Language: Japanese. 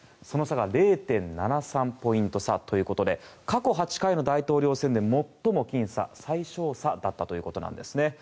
その差が０．７３ポイント差ということで過去８回の大統領選で最もきん差最小差だったということなんです。